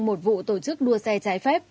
một vụ tổ chức đua xe trái phép